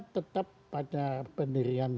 tetap pada pendirian